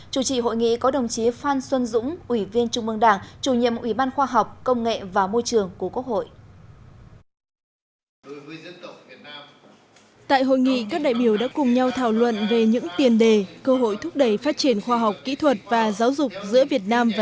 chủ trị hội nghị có đồng chí phan xuân dũng ủy viên trung mương đảng chủ nhiệm ủy ban khoa học công nghệ và môi trường của quốc hội